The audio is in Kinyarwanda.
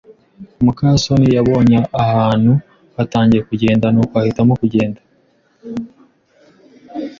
muka soni yabonye abantu batangiye kugenda, nuko ahitamo kugenda.